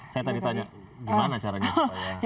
saya tadi tanya gimana caranya saya